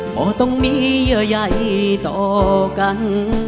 บ่อต้องมีเยอะใหญ่ต่อกัน